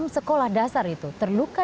enam sekolah dasar itu terluka